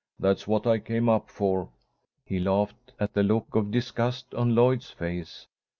"That's what I came up for." He laughed at the look of disgust on Lloyd's face.